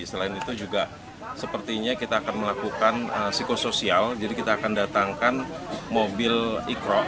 selain itu juga sepertinya kita akan melakukan psikosoial jadi kita akan datangkan mobil ikro